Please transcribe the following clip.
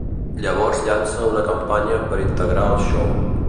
Llavors llança una campanya per integrar el show.